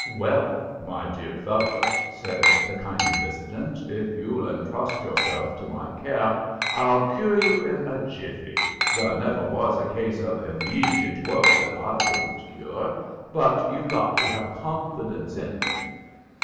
"Well, my dear fellow," said the kindly visitant, "if you'll intrust yourself to my care I'll cure you in a jiffy. There never was a case of immediate woe that I couldn't cure, but you've got to have confidence in me.